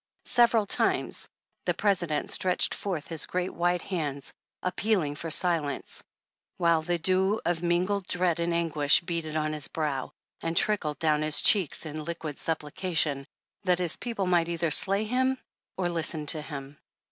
Sev eral times the President stretched forth his great white hands appealing for silence, while the dew of mingled dread and anguish beaded on his brow and trickled down his cheeks in liquid supplication that his people might either slay him or listen to him.